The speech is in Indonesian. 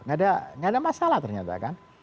nggak ada masalah ternyata kan